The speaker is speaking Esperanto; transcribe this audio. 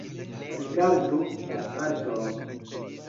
Rigardu la karton